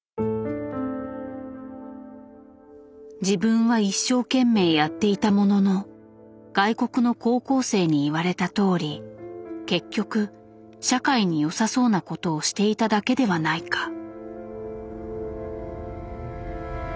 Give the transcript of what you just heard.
自分は一生懸命やっていたものの外国の高校生に言われたとおり結局社会に良さそうなことをしていただけではないか。